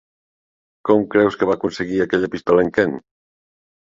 Com creus que va aconseguir aquella pistola en Ken?